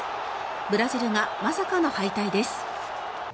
ブラジルがまさかの敗退です。